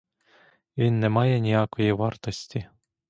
Він не має ніякої вартості.